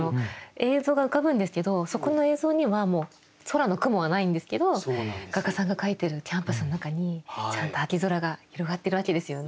映像が浮かぶんですけどそこの映像にはもう空の雲はないんですけど画家さんが描いてるキャンバスの中にちゃんと秋空が広がってるわけですよね。